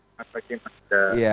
selamat pagi pak temi